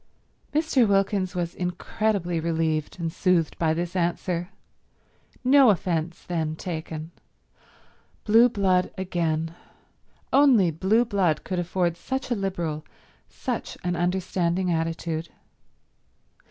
Mr. Wilkins was incredibly relieved and soothed by this answer. No offence, then, taken. Blue blood again. Only blue blood could afford such a liberal, such an understanding attitude.